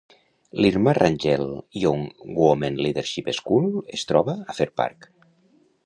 L'Irma Rangel Young Women Leadership School es troba a Fair Park.